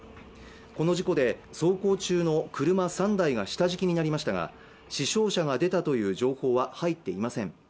この事故で走行中の車３台が下敷きになりましたが死傷者が出たという情報は入っていません